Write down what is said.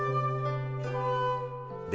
で